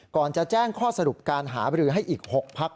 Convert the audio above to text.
ก่อนจะแจ้งข้อสรุปการหาบรือให้อีก๖พัก